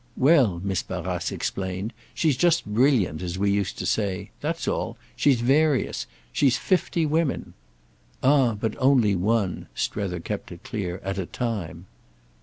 "Well," Miss Barrace explained, "she's just brilliant, as we used to say. That's all. She's various. She's fifty women." "Ah but only one"—Strether kept it clear—"at a time."